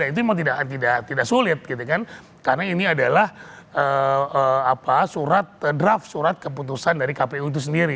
itu memang tidak sulit karena ini adalah surat draft surat keputusan dari kpu itu sendiri